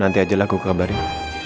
nanti aja lah aku kabarin